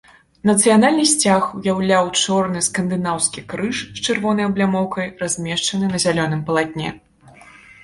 Нацыянальны сцяг уяўляў чорны скандынаўскі крыж з чырвонай аблямоўкай, размешчаны на зялёным палатне.